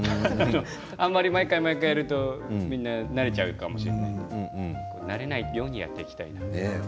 あまり毎回毎回やると、みんな慣れてしまうかもしれないので慣れないようにやっていきたいですね。